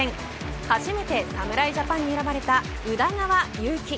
初めて侍ジャパンに選ばれた宇田川優希。